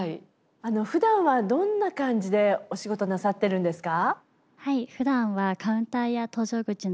ふだんはどんな感じでお仕事なさってるんですか？